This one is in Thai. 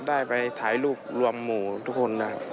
ได้ไปถ่ายลูกรวมหมู่ทุกคน